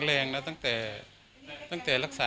ประมาณเหมือนตอนแรกเลยแต่ตอนคือตอนนี้